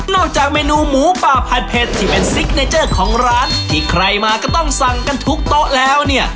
จากเมนูหมูป่าผัดเผ็ดที่เป็นซิกเนเจอร์ของร้านที่ใครมาก็ต้องสั่งกันทุกโต๊ะแล้วเนี่ย